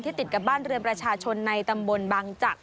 ติดกับบ้านเรือนประชาชนในตำบลบางจักร